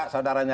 ya itu bang